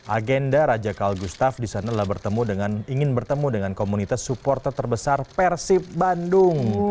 agenda raja karl gustav di sana adalah bertemu dengan ingin bertemu dengan komunitas supporter terbesar persib bandung